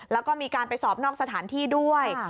แล้วก็มีการไปสอบนอกสถานที่ด้วย